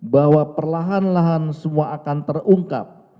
bahwa perlahan lahan semua akan terungkap